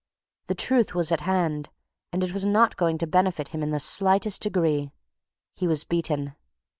The truth was at hand, and it was not going to benefit him in the slightest degree. He was beaten.